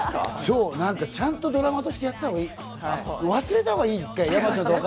ちゃんとドラマとしてやったほうがいい、忘れたほうがいい。